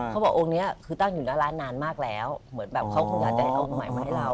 เขาบอกองค์นี้คือตั้งอยู่หน้าร้านนานมากแล้วเหมือนแบบเขาคงอยากจะได้เอาองค์ใหม่มาให้เรา